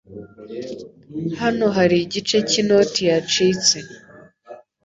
Hano hari igice cy’inoti yacitse.